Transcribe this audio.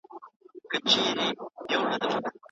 خوب د روغتیا ساتونکی دی.